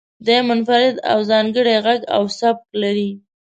دی منفرد او ځانګړی غږ او سبک لري.